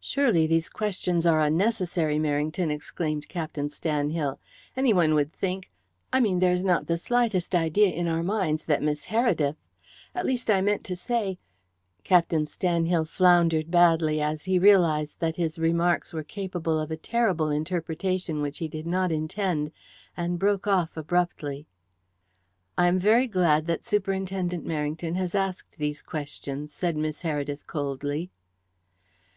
"Surely these questions are unnecessary, Merrington," exclaimed Captain Stanhill. "Anyone would think I mean that there is not the slightest idea in our minds that Miss Heredith at least, I meant to say " Captain Stanhill floundered badly as he realized that his remarks were capable of a terrible interpretation which he did not intend, and broke off abruptly. "I am very glad that Superintendent Merrington has asked these questions," said Miss Heredith coldly.